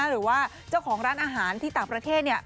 หรือว่าเจ้าของร้านอาหารที่ต่างประเทศ